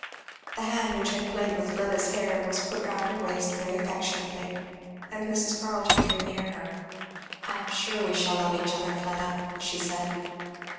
The hand which had played with Fleda's hair was put round her waist, very affectionately, and Mrs. Carleton drew near her. "I am sure we shall love each other, Fleda," she said.